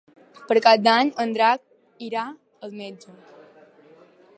Per Cap d'Any en Drac irà al metge.